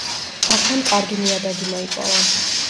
აქ მან კარგი ნიადაგი მოიპოვა.